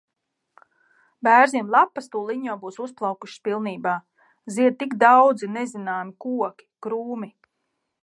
Bērziem lapas tūliņ jau būs uzplaukušas pilnībā. Zied tik daudzi nezināmi koki, krūmi.